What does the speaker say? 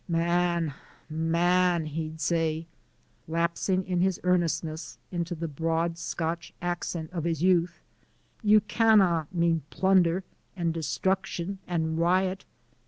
"Man, man," he'd say, lapsing in his earnestness into the broad Scotch accent of his youth, "you canna' mean plunder, and destruction, and riot!